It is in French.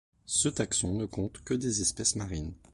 Ce taxon ne compte que des espèces marines.